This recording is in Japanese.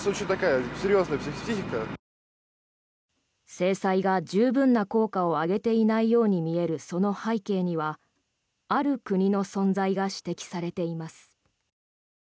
制裁が十分な効果を上げていないように見えるその背景にはある国の存在が指摘されています。